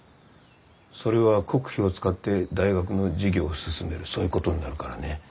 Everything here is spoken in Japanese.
それは国費を使って大学の事業を進めるそういうことになるからね。